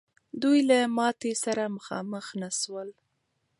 دوی له ماتي سره مخامخ نه سول.